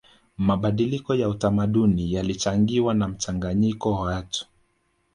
mabadiliko ya utamaduni yalichangiwa na mchanganyiko wa watu